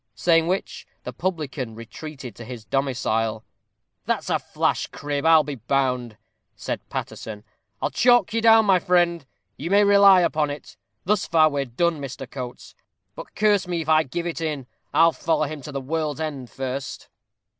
Saying which, the publican retreated to his domicile. "That's a flash crib, I'll be bound," said Paterson. "I'll chalk you down, my friend, you may rely upon it. Thus far we're done, Mr. Coates. But curse me if I give it in. I'll follow him to the world's end first."